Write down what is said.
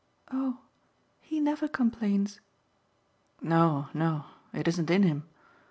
"Oh he never complains." "No, no it isn't in him.